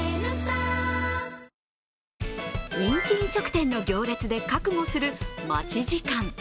人気飲食店の行列で覚悟する待ち時間。